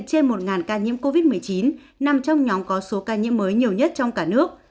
trên một ca nhiễm covid một mươi chín nằm trong nhóm có số ca nhiễm mới nhiều nhất trong cả nước